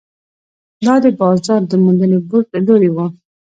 دا د بازار موندنې بورډ له لوري وو.